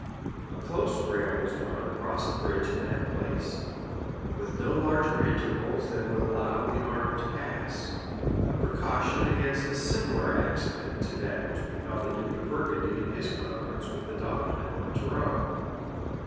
A close rail was drawn across a bridge in that place, with no larger intervals than would allow the arm to pass; a precaution against a similar accident to that which befell the duke of Burgundy in his conference with the dauphin at Montereau.